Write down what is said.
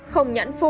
không nhãn phụ